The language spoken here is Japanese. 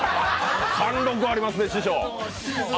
貫禄ありますね、師匠。